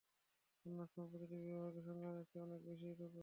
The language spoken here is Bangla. অন্য সময় প্রতিটি বিভাগে শয্যাসংখ্যার চেয়ে অনেক বেশি রোগী ভর্তি থাকত।